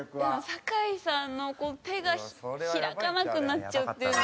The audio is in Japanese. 酒井さんの手が開かなくなっちゃうっていうのが。